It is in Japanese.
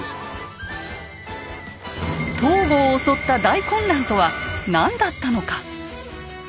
東郷を襲った大混乱とは何だったのか。